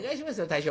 大将